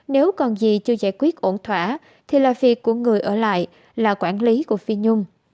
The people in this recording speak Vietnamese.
nếu còn gì chưa giải quyết ổn thỏa thì là việc của người ở lại là quản lý của phi nhung